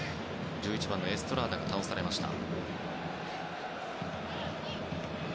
１１番のエストラーダが倒されました。